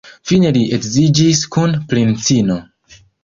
Fine li edziĝis kun princino.